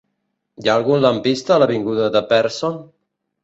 Hi ha algun lampista a l'avinguda de Pearson?